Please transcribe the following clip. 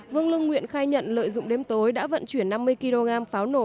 vương lưng nguyện khai nhận lợi dụng đêm tối đã vận chuyển năm mươi kg pháo nổ